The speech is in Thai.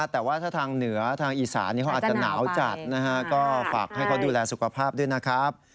แต่ว่าถ้าทางเหนือทางอีสานเขาอาจจะหนาวจัดนะฮะก็ฝากให้เขาดูแลสุขภาพด้วยนะครับ